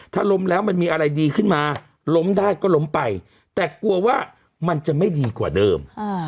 ถ้าล้มแล้วมันมีอะไรดีขึ้นมาล้มได้ก็ล้มไปแต่กลัวว่ามันจะไม่ดีกว่าเดิม